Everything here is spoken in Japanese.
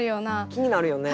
気になるよね。